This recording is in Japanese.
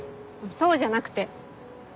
そうじゃなくて。